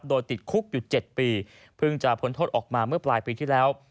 โดยติดคุกอยู่๗ปีเพิ่งจะพ้นโทษออกมาเมื่อปลายปีที่แล้ว